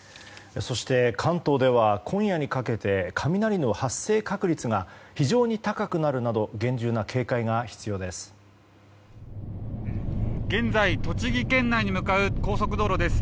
そして関東では今夜にかけて雷の発生確率が非常に高くなるなど厳重な警戒が必要です。